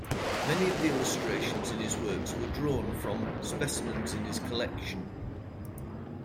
Many of the illustrations in his works were drawn from specimens in his collection.